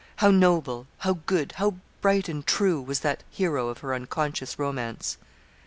How noble, how good, how bright and true, was that hero of her unconscious romance.